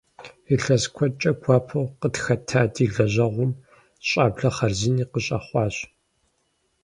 Илъэс куэдкӀэ гуапэу къытхэта ди лэжьэгъум щӀэблэ хъарзыни къыщӀэхъуащ.